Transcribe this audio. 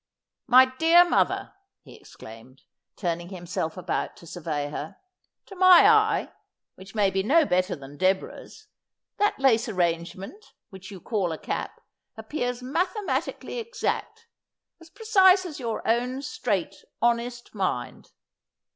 'My dear mother,' he exclaimed, turning himself about to survey her, ' to my eye — which may be no better than Deborah's — that lace arrangement which you call a cap appears mathe matically exact, as precise as your own straight, honest mind.